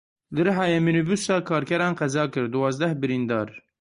Li Rihayê minibusa karkeran qeza kir duwazdeh birîndar.